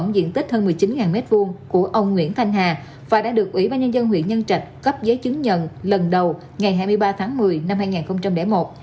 diện tích hơn một mươi chín m hai của ông nguyễn thanh hà và đã được ủy ban nhân dân huyện nhân trạch cấp giấy chứng nhận lần đầu ngày hai mươi ba tháng một mươi năm hai nghìn một